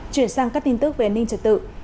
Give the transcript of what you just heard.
chuyển sang các tin tức về ninh trật tự